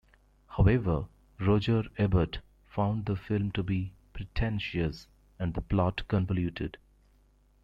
However, Roger Ebert found the film to be pretentious and the plot convoluted.